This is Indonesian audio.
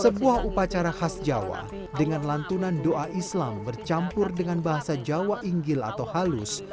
sebuah upacara khas jawa dengan lantunan doa islam bercampur dengan bahasa jawa inggil atau halus